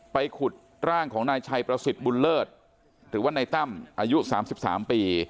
ขุดร่างของนายชัยประสิทธิ์บุญเลิศหรือว่านายตั้มอายุ๓๓ปี